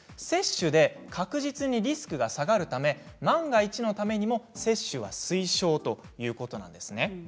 接種で確実にリスクが下がるため万が一のためにも接種は推奨ということなんですね。